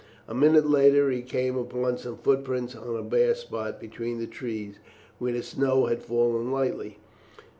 A minute later he came upon some footprints on a bare spot between the trees, where the snow had fallen lightly.